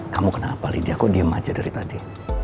kamu kenapa lydia kok diem aja dari tadi